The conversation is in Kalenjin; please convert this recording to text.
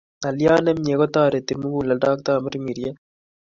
Ngaliot nemie kotoreti muguleldo ak tamirmiriet